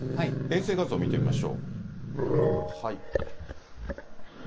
衛星画像を見てみましょう。